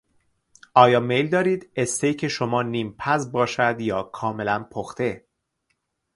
آیا میل دارید " استیک" شما نیمپز باشد یا کاملا پخته؟